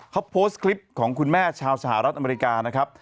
เขาโพสต์คลิปของคุณแม่ชาวสหรัฐอเมริกานะครับ